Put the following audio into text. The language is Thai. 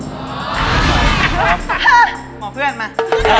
หมอเพื่อนมา